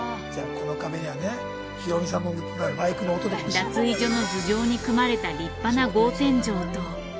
脱衣所の頭上に組まれた立派な格天井と。